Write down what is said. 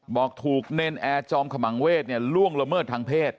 บอกถูกเนรนแอร์จอมขมังเวศล่วงละเมิดทางเพศ